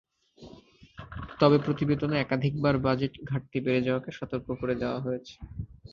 তবে প্রতিবেদনে একাধিকবার বাজেট ঘাটতি বেড়ে যাওয়াকে সতর্ক করে দেওয়া হয়েছে।